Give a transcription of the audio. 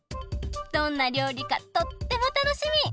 どんなりょうりかとっても楽しみ！